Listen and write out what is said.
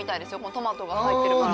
トマトが入ってるから。